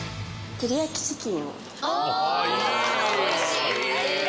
照り焼きチキン。